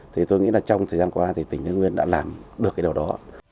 thì tôi nghĩ là trong thời gian qua thì tỉnh thái nguyên đã làm được cái điều đó